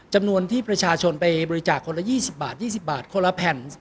จำนวนที่ประชาชนไปบริจาคคนละ๒๐บาท๒๐บาทคนละแผ่น